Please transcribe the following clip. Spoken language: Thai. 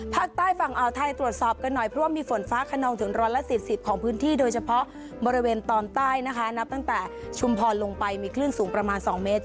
ภาคใต้ฝั่งอ่าวไทยตรวจสอบกันหน่อยเพราะว่ามีฝนฟ้าขนองถึง๑๔๐ของพื้นที่โดยเฉพาะบริเวณตอนใต้นะคะนับตั้งแต่ชุมพรลงไปมีคลื่นสูงประมาณ๒เมตร